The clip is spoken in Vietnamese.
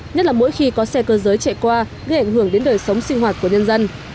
nhất là mỗi khi có xe cơ giới chạy qua gây ảnh hưởng đến đời sống sinh hoạt của nhân dân